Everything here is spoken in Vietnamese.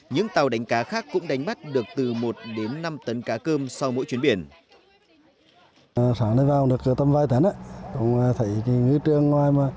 những tàu đánh cá khác cũng đánh bắt được từ một đến năm tấn cá cơm sau mỗi chuyến biển